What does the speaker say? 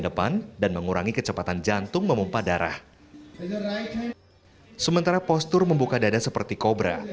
depan dan mengurangi kecepatan jantung memumpah darah sementara postur membuka dada seperti kobra